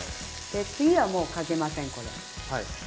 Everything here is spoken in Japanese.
次はもうかけませんこれ。